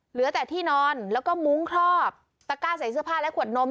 เหลือแต่ที่นอนแล้วก็มุ้งครอบตะก้าใส่เสื้อผ้าและขวดนม